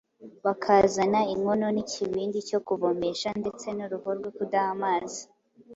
bakazana inkono n’ikibindi cyo kuvomesha ndetse n’uruho rwo kudaha amazi,